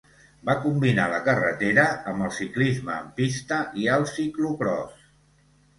Va combinar la carretera amb el ciclisme en pista i el ciclocròs.